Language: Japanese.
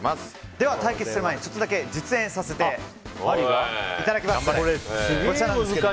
では対決する前に実演させていただきます。